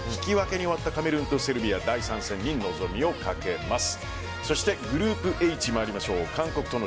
引き分けに終わったカメルーンとセルビア望みをかけます。